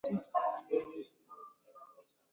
kama na o nwere mmasị n'ijere ndị mmadụ ozi